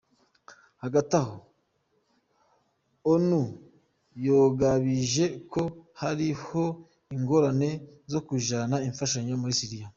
Hagati aho, Onu yagabishije ko hariho ingorane zo kujana imfashanyo muri Syria.